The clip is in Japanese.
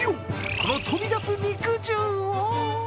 この飛び出す肉汁を！